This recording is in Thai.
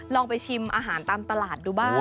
ลองไปชิมอาหารตามตลาดดูบ้าง